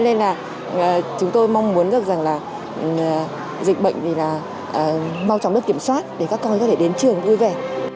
nên là chúng tôi mong muốn được dịch bệnh mau chóng được kiểm soát để các con có thể đến trường vui vẻ